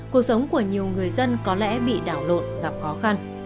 cuộc sống của nhiều người dân có lẽ bị đảo lộn gặp khó khăn